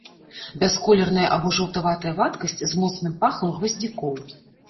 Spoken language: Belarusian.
Бясколерная або жаўтаватая вадкасць з моцным пахам гваздзікоў.